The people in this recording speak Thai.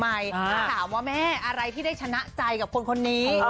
ถามว่าแม่อะไรที่ได้ชนะใจกับคนนี้